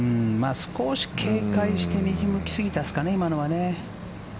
少し警戒して右向き過ぎたんですかね、今のは。